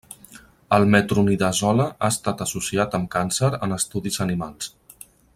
El metronidazole ha estat associat amb càncer en estudis animals.